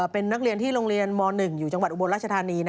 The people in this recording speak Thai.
เป็นนักเรียนที่โรงเรียนม๑อยู่จังหวัดอุบลราชธานี